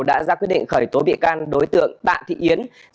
đã ra quyết định khởi tố bị can đối tượng tạ thị yến